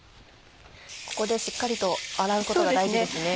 ここでしっかりと洗うことが大事ですね。